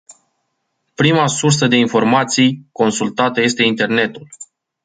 Prima sursă de informații consultată este internetul.